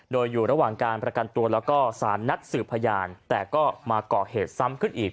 โดยอยู่ระหว่างการประกันตัวแล้วก็สารนัดสืบพยานแต่ก็มาก่อเหตุซ้ำขึ้นอีก